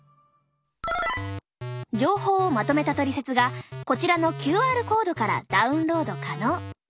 情報をまとめたトリセツがこちらのＱＲコードからダウンロード可能。